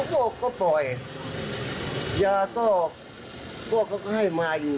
ผมก็ปล่อยยาก็ให้มาอยู่